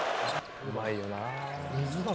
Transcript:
うまいよな。